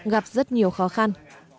gặp rất nhiều khó khăn